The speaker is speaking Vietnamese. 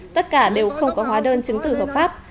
tất cả đều không có hóa đơn chứng tử hợp pháp